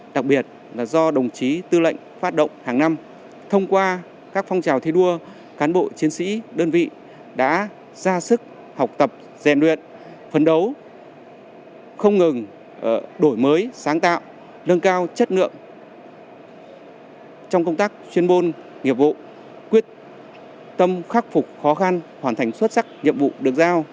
đặc biệt là do đồng chí tư lệnh phát động hàng năm thông qua các phong trào thi đua cán bộ chiến sĩ đơn vị đã ra sức học tập rèn luyện phấn đấu không ngừng đổi mới sáng tạo nâng cao chất lượng trong công tác chuyên môn nghiệp vụ quyết tâm khắc phục khó khăn hoàn thành xuất sắc nhiệm vụ được giao